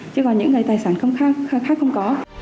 chứ còn những cái tài sản khác không có